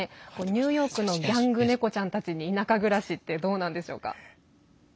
ニューヨークのギャング猫ちゃんたちに田舎暮らしってどうなんでしょうか？